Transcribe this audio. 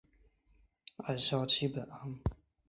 二硝基苯酚